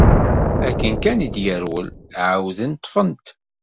Akken kan i d-yerwel, ɛawden ṭṭfen-t.